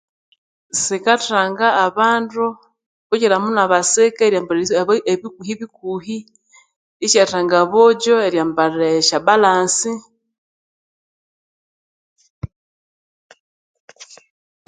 Sikatanga abandu kukiramuno abasika eryambalha ebikuhi bikuhi esyatanga abojo eryambalha esyabalance